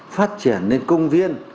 phát triển lên công viên